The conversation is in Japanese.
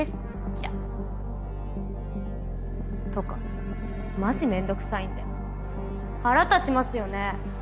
キラっ。とかマジ面倒くさいんで腹立ちますよね。